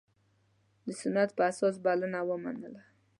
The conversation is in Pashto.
د سنت په اساس بلنه ومنله.